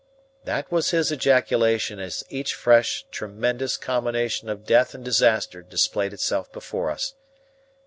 That was his ejaculation as each fresh tremendous combination of death and disaster displayed itself before us.